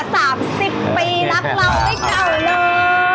สามสิบปีรักเรานึกันอ่ะ